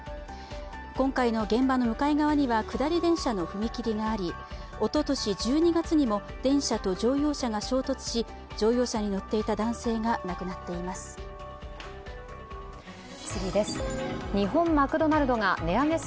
今回の現場の向かい側には下り電車の踏切があり、おととし１２月にも電車と乗用車が衝突し乗用車に乗っていた男性が亡くなっています。